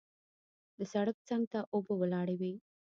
د سړک څنګ ته اوبه ولاړې وې.